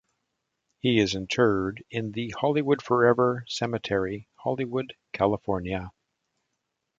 He is interred in the Hollywood Forever Cemetery, Hollywood, California.